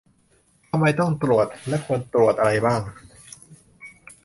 ทำไมต้องตรวจ และควรตรวจอะไรบ้าง